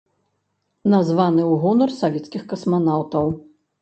Названы ў гонар савецкіх касманаўтаў.